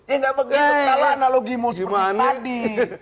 ini gak begitu salah analogi muslim tadi